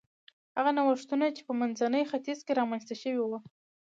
هغه نوښتونه چې په منځني ختیځ کې رامنځته شوي و